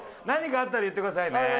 何かあったら言ってくださいね。